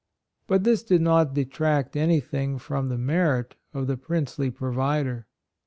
But this did not detract any thing from the merit of the princely provider.